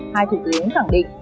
hai thủ tướng khẳng định